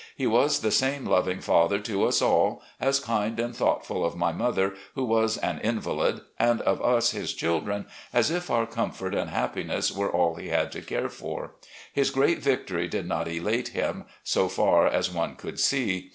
He was the same loving father to us all, as kind and thoughtful of my mother, who was an invalid, and of us, his children, as if our comfort and hap piness were all he had to care for. His great victory did not elate him, so far as one could see.